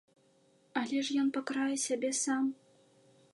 Але ж ён пакарае сябе сам.